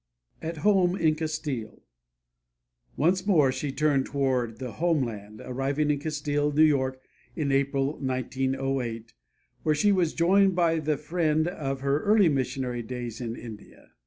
AT HOME IN CASTILE Once more she turned toward the home land, arriving in Castile, N.Y., in April, 1908, where she was joined by the friend of her early missionary days in India.